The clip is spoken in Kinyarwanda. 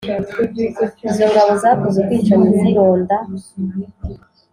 izo ngabo zakoze ubwicanyi zironda